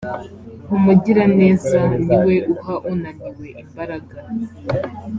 umugiraneza ni we uha unaniwe imbaraga